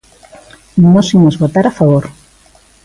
Nós imos votar a favor.